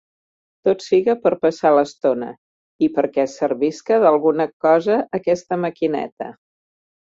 Tot siga per passar l'estona. I perquè servisca d'alguna cosa aquesta maquineta.